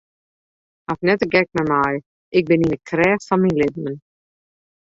Haw net de gek mei my, ik bin yn de krêft fan myn libben.